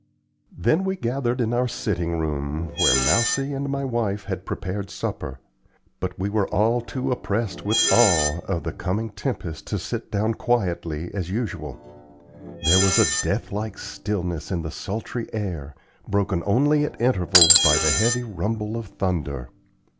Then we gathered in our sitting room, where Mousie and my wife had prepared supper; but we all were too oppressed with awe of the coming tempest to sit down quietly, as usual. There was a death like stillness in the sultry air, broken only at intervals by the heavy rumble of thunder.